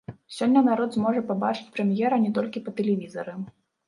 Сёння народ зможа пабачыць прэм'ера не толькі па тэлевізары.